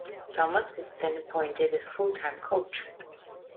Thomas was then appointed as full-time coach.